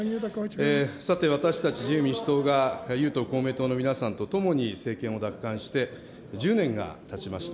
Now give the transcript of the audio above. さて、私たち自由民主党が友党、公明党の皆さんとともに政権を奪還して、１０年がたちました。